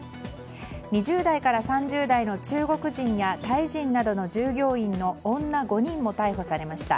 ２０代から３０代の中国人やタイ人などの従業員の女５人も逮捕されました。